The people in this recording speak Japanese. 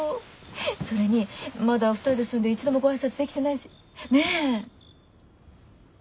それにまだ２人で住んで一度もご挨拶できてないしねぇ？